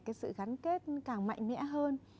cái sự gắn kết càng mạnh mẽ hơn